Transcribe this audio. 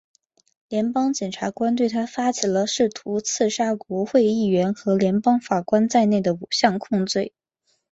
联邦检察官对他发起了包括试图刺杀国会议员和联邦法官在内的五项控罪。